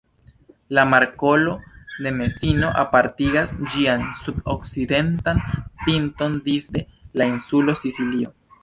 La markolo de Mesino apartigas ĝian sud-okcidentan pinton disde la insulo Sicilio.